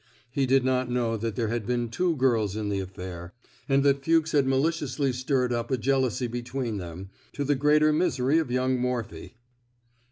He did not know that there had been two girls in the affair, 97 r THE SMOKE EATEES and that Fuchs had maliciously stirred up a jealousy between them, to the greater misery of young Morphy.